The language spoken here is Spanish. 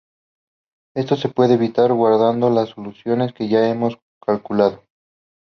Esto se puede evitar guardando las soluciones que ya hemos calculado.